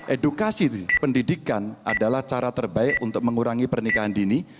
edukasi pendidikan adalah cara terbaik untuk mengurangi pernikahan dini